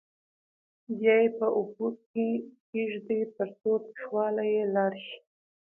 بیا یې په اوبو کې کېږدئ ترڅو تریخوالی یې لاړ شي.